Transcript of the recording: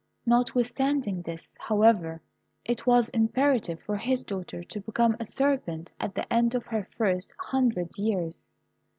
Notwithstanding this, however, it was imperative for his daughter to become a serpent at the end of her first hundred years.